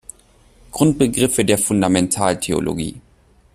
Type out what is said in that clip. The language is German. Grundbegriffe der Fundamentaltheologie“.